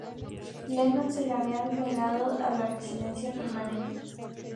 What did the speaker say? Lennon se le había sido negado la residencia permanente.